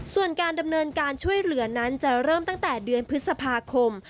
ส่วนการดำเนินการช่วยเหลือนั้นจะเริ่มตั้งแต่เดือนพฤษภาคม